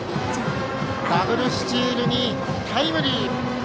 ダブルスチールにタイムリー。